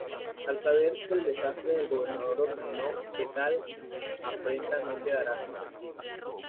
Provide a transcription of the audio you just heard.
Al saber del desastre el gobernador ordenó que tal afrenta no quedara sin castigo.